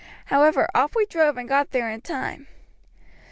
However, off we drove, and got there in time.